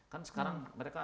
kan sekarang mereka